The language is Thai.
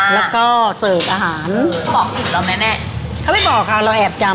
แล้วก็เซิร์คอาหารบอกสิทธิ์เราไหมแม่เขาไม่บอกอ่ะเราแอบจำ